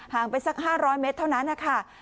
ไปสัก๕๐๐เมตรเท่านั้นนะคะ